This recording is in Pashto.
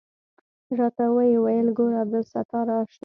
راته ويې ويل ګوره عبدالستاره اشنا.